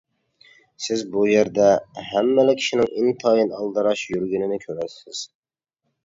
سىز بۇ يەردە ھەممىلا كىشىنىڭ ئىنتايىن ئالدىراش يۈرگىنىنى كۆرىسىز.